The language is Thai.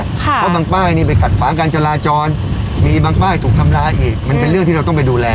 เพราะบางป้ายนี่ไปขัดขวางการจราจรมีบางป้ายถูกทำลายอีกมันเป็นเรื่องที่เราต้องไปดูแล